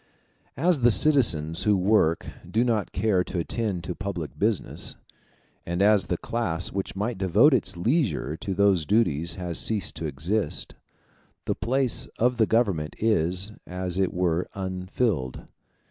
As the citizens who work do not care to attend to public business, and as the class which might devote its leisure to these duties has ceased to exist, the place of the Government is, as it were, unfilled.